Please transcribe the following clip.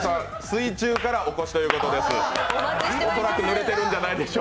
水中からお越しということです。